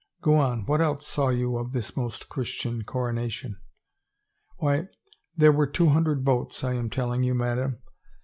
" Go on, what else saw you of this most Christian coronation ?'* "Why — there were two hundred boats, I am telling you, madame.